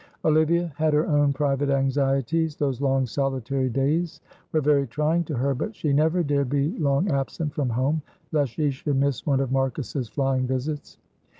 Olivia had her own private anxieties. Those long solitary days were very trying to her, but she never dared be long absent from home lest she should miss one of Marcus's flying visits.